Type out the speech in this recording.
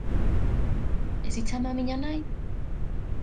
E si chama á miña nai?